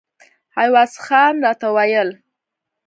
عوض خان راته ویل.